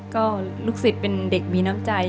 ก็ลูกศิษย์เป็นเด็กมีน้ำใจ